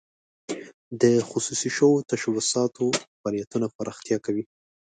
د خصوصي شوو تشبثاتو فعالیتونه پراختیا کوي.